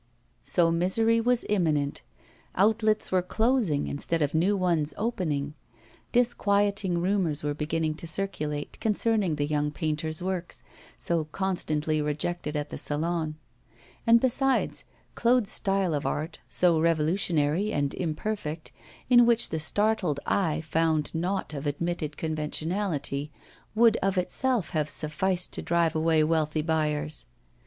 So misery was imminent; outlets were closing instead of new ones opening; disquieting rumours were beginning to circulate concerning the young painter's works, so constantly rejected at the Salon; and besides, Claude's style of art, so revolutionary and imperfect, in which the startled eye found nought of admitted conventionality, would of itself have sufficed to drive away wealthy buyers.